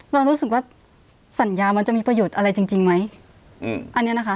เรารู้สึกว่าสัญญามันจะมีประโยชน์อะไรจริงจริงไหมอืมอันเนี้ยนะคะ